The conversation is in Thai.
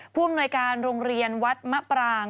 ผู้อำนวยการโรงเรียนวัดมะปราง